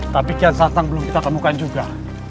tapi kian datang belum kita temukan juga